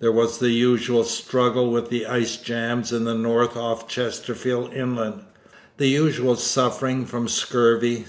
There was the usual struggle with the ice jam in the north off Chesterfield Inlet, the usual suffering from scurvy.